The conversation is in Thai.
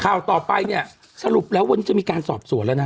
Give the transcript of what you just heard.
ข่าวต่อไปเนี่ยสรุปแล้ววันนี้จะมีการสอบสวนแล้วนะ